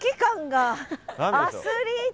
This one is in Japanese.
アスリート。